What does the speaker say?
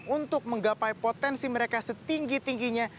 untuk menggapai potensi mereka setinggi tingginya